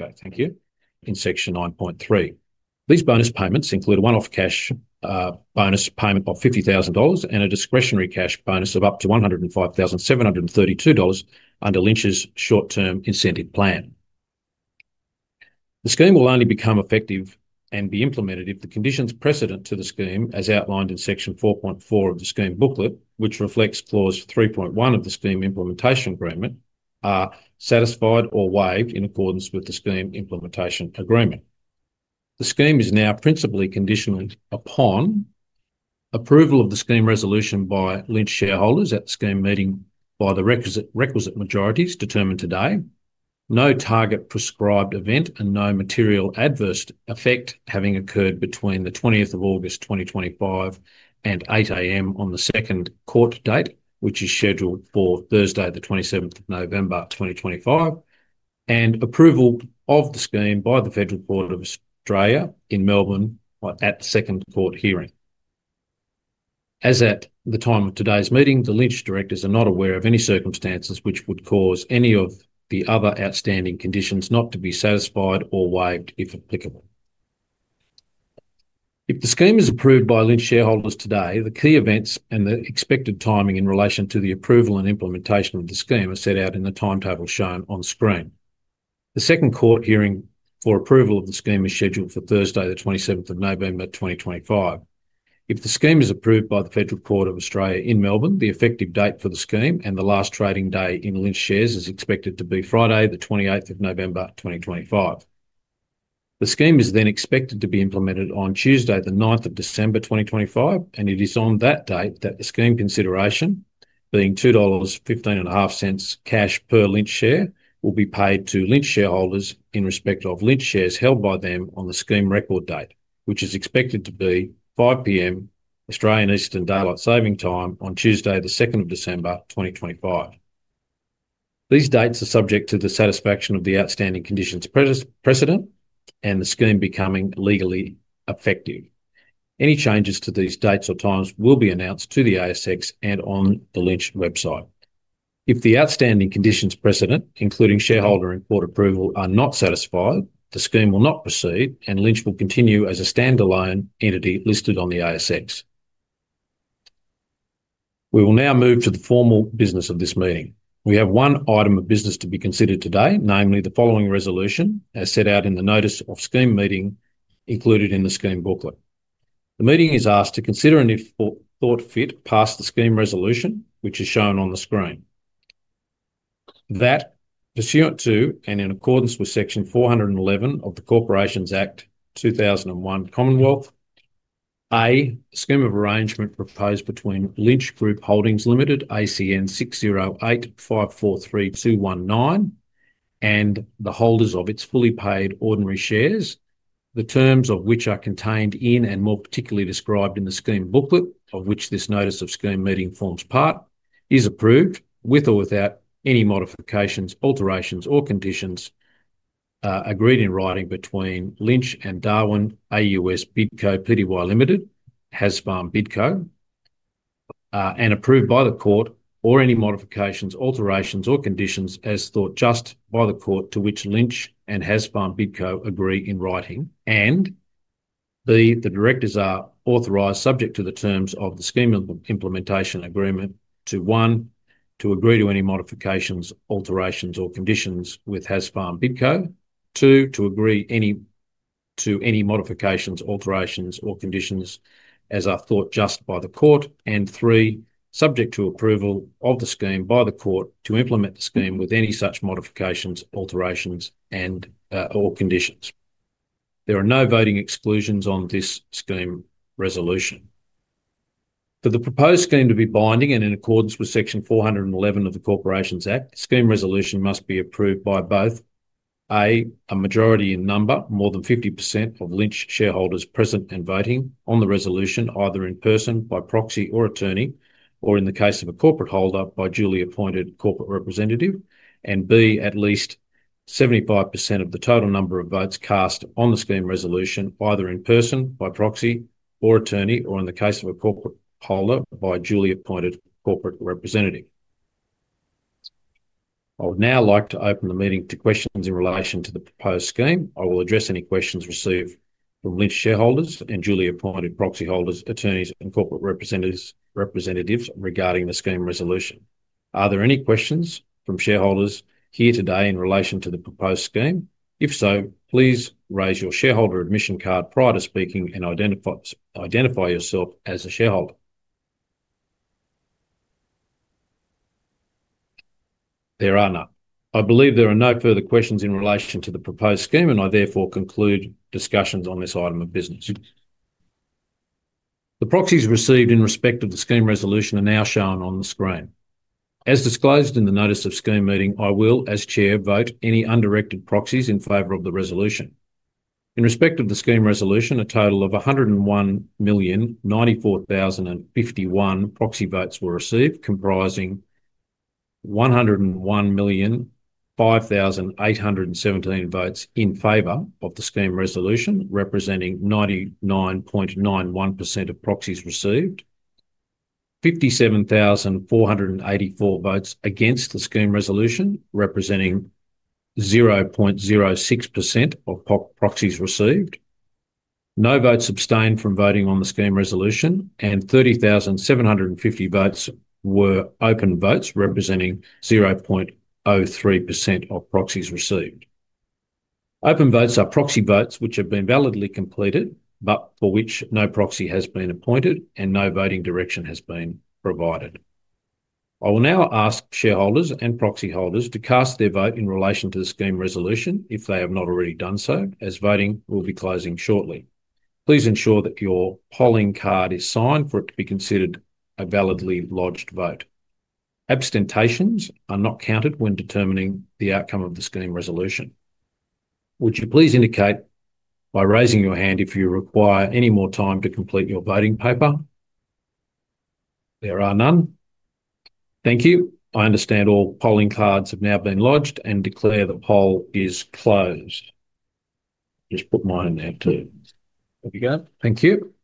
Okay, thank you. In section 9.3, these bonus payments include a one-off cash bonus payment of 50,000 dollars and a discretionary cash bonus of up to 105,732 dollars under Lynch's short-term incentive plan. The scheme will only become effective and be implemented if the conditions precedent to the scheme, as outlined in section 4.4 of the Scheme Booklet, which reflects Clause 3.1 of the Scheme Implementation Agreement, are satisfied or waived in accordance with the Scheme Implementation Agreement. The scheme is now principally conditional upon approval of the scheme resolution by Lynch shareholders at the scheme meeting by the requisite majorities determined today, no target prescribed event, and no material adverse effect having occurred between the 20th of August 2025 and 8:00 A.M. on the second court date, which is scheduled for Thursday, the 27th of November 2025, and approval of the scheme by the Federal Court of Australia in Melbourne at the second court hearing. As at the time of today's meeting, the Lynch directors are not aware of any circumstances which would cause any of the other outstanding conditions not to be satisfied or waived, if applicable. If the scheme is approved by Lynch shareholders today, the key events and the expected timing in relation to the approval and implementation of the scheme are set out in the timetable shown on the screen. The second court hearing for approval of the scheme is scheduled for Thursday, the 27th of November 2025. If the scheme is approved by the Federal Court of Australia in Melbourne, the effective date for the scheme and the last trading day in Lynch shares is expected to be Friday, the 28th of November 2025. The scheme is then expected to be implemented on Tuesday, the 9th of December 2025, and it is on that date that the scheme consideration, being 2.15 dollars cash per Lynch share, will be paid to Lynch shareholders in respect of Lynch shares held by them on the scheme record date, which is expected to be 5:00 P.M. Australian Eastern Daylight Saving Time on Tuesday, the 2nd of December 2025. These dates are subject to the satisfaction of the outstanding conditions precedent and the scheme becoming legally effective. Any changes to these dates or times will be announced to the ASX and on the Lynch Website. If the outstanding conditions precedent, including shareholder and court approval, are not satisfied, the scheme will not proceed and Lynch will continue as a standalone entity listed on the ASX. We will now move to the formal business of this meeting. We have one item of business to be considered today, namely the following resolution as set out in the notice of scheme meeting included in the Scheme Booklet. The meeting is asked to consider and if thought fit pass the scheme resolution, which is shown on the screen. That pursuant to and in accordance with Section 411 of the Corporations Act 2001 (Cth), a scheme of arrangement proposed between Lynch Group Holdings Limited, ACN 608 543 219, and the holders of its fully paid ordinary shares, the terms of which are contained in and more particularly described in the Scheme Booklet, of which this notice of scheme meeting forms part, is approved with or without any modifications, alterations, or conditions agreed in writing between Lynch and Darwin AUS Bidco Pty Limited, Hasfarm Bidco, and approved by the court, or any modifications, alterations, or conditions as thought just by the court to which Lynch and Hasfarm Bidco agree in writing, and B, the directors are authorized subject to the terms of the Scheme Implementation Agreement to one, to agree to any modifications, alterations, or conditions with Hasfarm Bidco, two, to agree to any modifications, alterations, or conditions as are thought just by the court, and three, subject to approval of the scheme by the court to implement the scheme with any such modifications, alterations, and/or conditions. There are no voting exclusions on this scheme resolution. For the proposed scheme to be binding and in accordance with Section 411 of the Corporations Act, the scheme resolution must be approved by both A, a majority in number, more than 50% of Lynch shareholders present and voting on the resolution, either in person by proxy or attorney, or in the case of a corporate holder by duly appointed corporate representative, and B, at least 75% of the total number of votes cast on the scheme resolution, either in person by proxy or attorney, or in the case of a corporate holder by duly appointed corporate representative. I would now like to open the meeting to questions in relation to the proposed scheme. I will address any questions received from Lynch shareholders and duly appointed proxy holders, attorneys, and corporate representatives regarding the scheme resolution. Are there any questions from shareholders here today in relation to the proposed scheme? If so, please raise your shareholder admission card prior to speaking and identify yourself as a shareholder. There are none. I believe there are no further questions in relation to the proposed scheme, and I therefore conclude discussions on this item of business. The proxies received in respect of the scheme resolution are now shown on the screen. As disclosed in the notice of scheme meeting, I will, as Chair, vote any undirected proxies in favor of the resolution. In respect of the scheme resolution, a total of 101,094,051 proxy votes were received, comprising 101,005,817 votes in favor of the scheme resolution, representing 99.91% of proxies received, 57,484 votes against the scheme resolution, representing 0.06% of proxies received, no votes abstained from voting on the scheme resolution, and 30,750 votes were open votes, representing 0.03% of proxies received. Open votes are proxy votes which have been validly completed, but for which no proxy has been appointed and no voting direction has been provided. I will now ask shareholders and proxy holders to cast their vote in relation to the scheme resolution if they have not already done so, as voting will be closing shortly. Please ensure that your polling card is signed for it to be considered a validly lodged vote. Abstentions are not counted when determining the outcome of the scheme resolution. Would you please indicate by raising your hand if you require any more time to complete your voting paper? There are none. Thank you. I understand all polling cards have now been lodged and declare the poll is closed. Just put mine in there too. There we go. Thank you.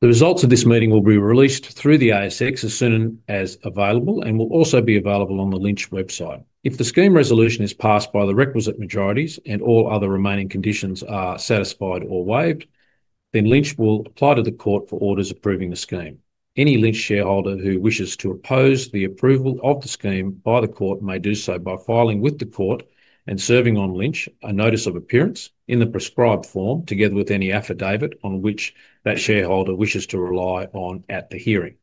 The results of this meeting will be released through the ASX as soon as available and will also be available on the Lynch Website. If the scheme resolution is passed by the requisite majorities and all other remaining conditions are satisfied or waived, then Lynch will apply to the court for orders approving the scheme. Any Lynch shareholder who wishes to oppose the approval of the scheme by the court may do so by filing with the court and serving on Lynch a notice of appearance in the prescribed form together with any affidavit on which that shareholder wishes to rely on at the hearing.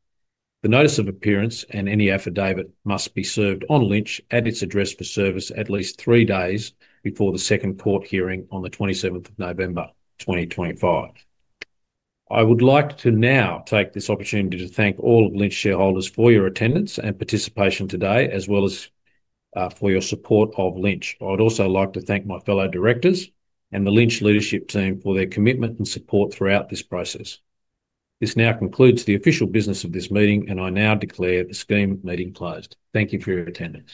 The notice of appearance and any affidavit must be served on Lynch at its address for service at least three days before the second court hearing on the 27th of November 2025. I would like to now take this opportunity to thank all of Lynch shareholders for your attendance and participation today, as well as for your support of Lynch. I would also like to thank my fellow directors and the Lynch leadership team for their commitment and support throughout this process. This now concludes the official business of this meeting, and I now declare the scheme meeting closed. Thank you for your attendance.